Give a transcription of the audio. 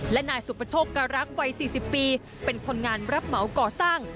และนายสุประโชคการรักษ์วัย๔๐ปีเป็นคนงานรับเหมาก่อสร้าง